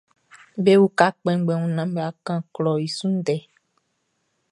Be uka kpɛnngbɛn mun naan bʼa kan klɔʼn i su ndɛ.